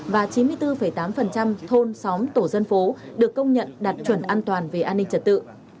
và chín mươi bốn tám thôn xóm tổ dân phố được công nhận đạt chuẩn an toàn về an ninh trật tự